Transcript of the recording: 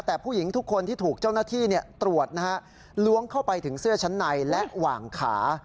แต่ผู้หญิงทุกคนที่ถูกเจ้าหน้าที่ตรวจนะฮะล้วงเข้าไปถึงเสื้อชั้นในและหว่างขา